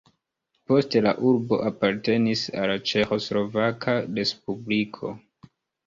Poste la urbo apartenis al Ĉeĥoslovaka respubliko.